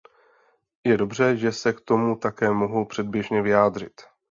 Je dobře, že se k tomu také mohu předběžně vyjádřit.